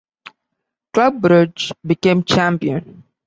Club Brugge became champion.